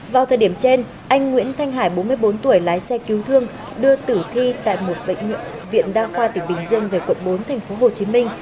vào thời điểm trên anh nguyễn thanh hải bốn mươi bốn tuổi lái xe cứu thương đưa tử thi tại một bệnh viện đa khoa tỉnh bình dương về quận bốn tp hcm